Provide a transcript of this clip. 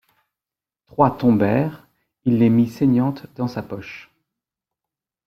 Trois tombèrent, il les mit saignantes dans sa poche.